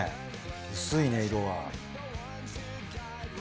薄いね色は。